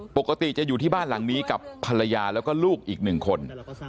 ปกติจะอยู่ที่บ้านหลังนี้กับภรรยาแล้วก็ลูกอีกหนึ่งคน